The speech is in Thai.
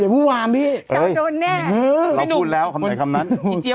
มั้ย